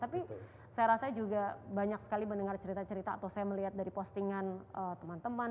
tapi saya rasa juga banyak sekali mendengar cerita cerita atau saya melihat dari postingan teman teman